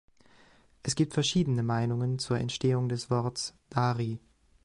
Es gibt verschiedene Meinungen zur Entstehung des Worts „Dari“.